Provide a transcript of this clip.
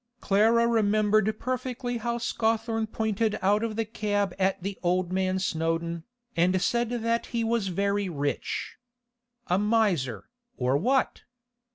Clara remembered perfectly how Scawthorne pointed out of the cab at the old man Snowdon, and said that he was very rich. A miser, or what?